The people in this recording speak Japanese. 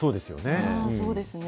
そうですね。